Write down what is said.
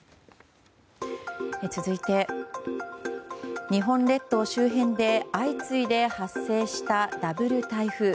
続いて、日本列島周辺で相次いで発生したダブル台風。